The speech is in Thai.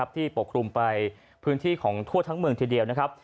ปกคลุมไปพื้นที่ของทั่วทั้งเมืองทีเดียวนะครับ